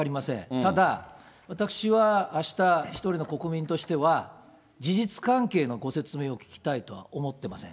ただ、私はあした、一人の国民としては、事実関係のご説明を聞きたいとは思っていません。